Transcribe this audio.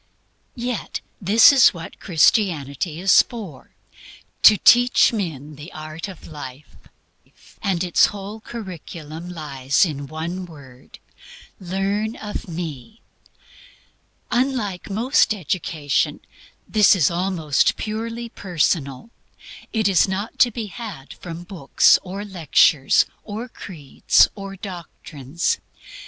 Yet this is what Christianity is for to teach men THE ART OF LIFE. And its whole curriculum lies in one word "Learn of me." Unlike most education, this is almost purely personal; it is not to be had from books, or lectures or creeds or doctrines.